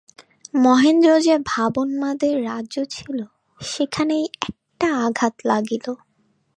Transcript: মহেন্দ্র যে ভাবোন্মাদের রাজ্যে ছিল, সেখানে এই একটা আঘাত লাগিল।